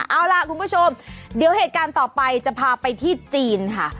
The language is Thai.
เอาล่ะคุณผู้ชมเดี๋ยวเหตุการณ์ต่อไปจะพาไปที่จีนค่ะ